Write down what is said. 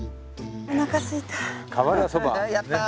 おなかすいた。